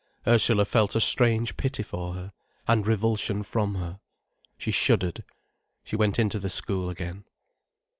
Ursula felt a strange pity for her, and revulsion from her. She shuddered. She went into the school again.